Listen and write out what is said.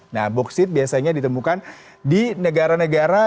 nah boksit biasanya ditemukan di negara negara